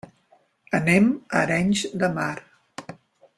Anem a Arenys de Mar.